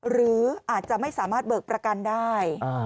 หรืออาจจะไม่สามารถเบิกประกันได้